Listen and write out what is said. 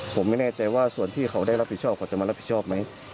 ผมไม่แน่ใจว่าส่วนที่เขาได้รับผิดชอบเขาจะมารับผิดชอบไหม